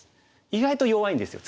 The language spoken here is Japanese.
意外と弱いんですよ